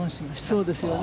そうですよね。